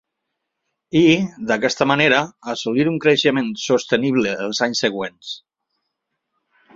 I, d’aquesta manera, assolir un creixement sostenible els anys següents.